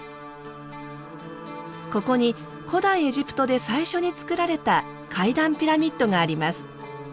ここに古代エジプトで最初につくられた階段ピラミッドがあります。